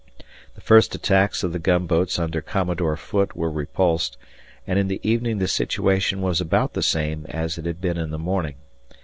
The first attacks of the gunboats under Commodore Foote were repulsed, and in the evening the situation was about the same as it had been in the morning.